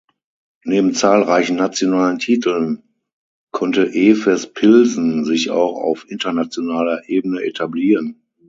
Neben zahlreichen nationalen Titeln konnte Efes Pilsen sich auch auf internationaler Ebene etablieren.